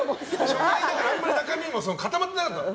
初回で、あんまり中身も固まってなかったの。